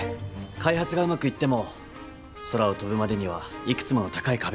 開発がうまくいっても空を飛ぶまでにはいくつもの高い壁があります。